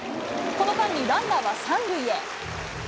この間にランナーは３塁へ。